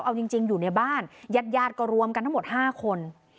เอาจริงจริงอยู่ในบ้านยัดยาดกระรวมกันทั้งหมดห้าคน